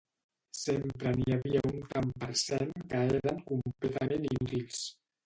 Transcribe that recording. Sempre n'hi havia un tant per cent que eren completament inútils.